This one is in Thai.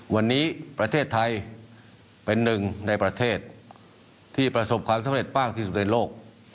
วันนี้ประเทศไทยเป็นหนึ่งในประเทศที่ประสบความสำเร็จมากที่สุดในโลก